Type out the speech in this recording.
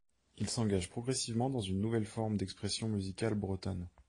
Il s'engage progressivement dans une nouvelle forme d'expression musicale bretonne.